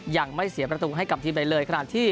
ยังไม่เสียประตูให้กลับทีไปเลย